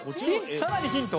さらにヒント？